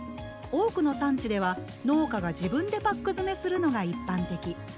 多くの産地では農家が自分でパック詰めするのが一般的。